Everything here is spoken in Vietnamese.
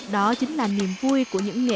đó chính là niềm vui của những người